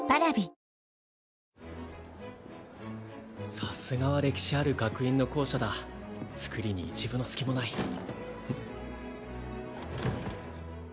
さすがは歴史ある学院の校舎だ造りに一分の隙もないうん？